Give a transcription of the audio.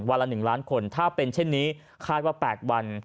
ละ๑ล้านคนถ้าเป็นเช่นนี้คาดว่า๘วัน